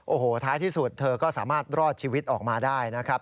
โอ้โหท้ายที่สุดเธอก็สามารถรอดชีวิตออกมาได้นะครับ